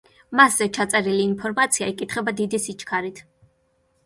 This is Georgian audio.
მასზე ჩაწერილი ინფორმაცია იკითხება დიდი სიჩქარით.